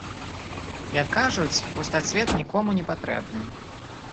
Як кажуць, пустацвет нікому не патрэбны.